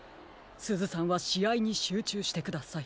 すずさんはしあいにしゅうちゅうしてください。